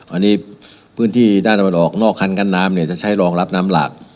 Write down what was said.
อันนี้พื้นที่ด้านตะวันออกนอกคันกั้นน้ำเนี่ยจะใช้รองรับน้ำหลาก